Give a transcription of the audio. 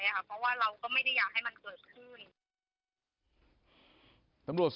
เพราะว่าเราก็ไม่ได้อยากให้มันเกิดขึ้น